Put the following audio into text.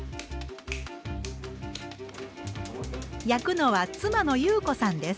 焼くのは妻の優子さんです。